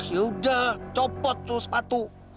yaudah copot lu sepatu